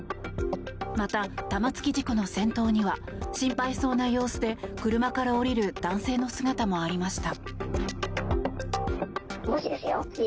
また玉突き事故の先頭には心配そうな様子で車から降りる男性の姿もありました。